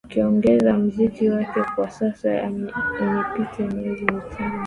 akionyesha mziki wake kwa sasa imepita miezi mitano